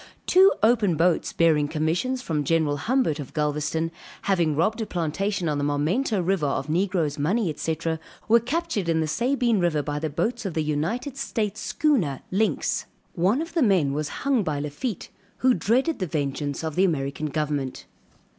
Two open boats bearing commissions from General Humbert, of Galvezton, having robbed a plantation on the Marmento river, of negroes, money, &c., were captured in the Sabine river, by the boats of the United States schooner Lynx. One of the men was hung by Lafitte, who dreaded the vengeance of the American government.